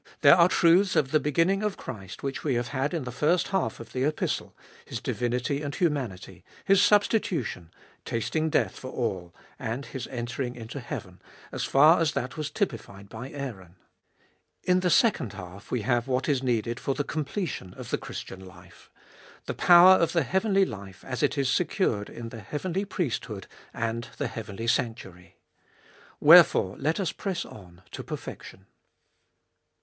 There are truths of the beginning of Christ, which we have had in the first half of the Epistle— His diuinity and humanity, His substitution, tasting death for all, and His entering into heaven, as far as that was typified by Aaron. In the second half we have what is needed for the com pletion of the Christian life ; the power of the heavenly life as it is secured in the heavenly priest hood and the heavenly sanctuary. Wherefore, let us press on to perfection.